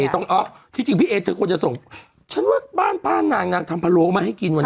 ทำของข้าวอร่อยใช่ไหมบ้านนางอร่อยมาก